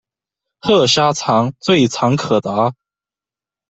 褐虾长，最长可达。